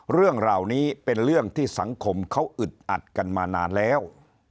เรื่องเหล่านี้เป็นเรื่องที่สังคมเขาอึดอัดกันมานานแล้ว